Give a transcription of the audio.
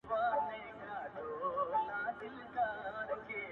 • زه ریشتیا په عقل کم یمه نادان وم -